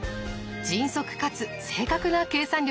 迅速かつ正確な計算力。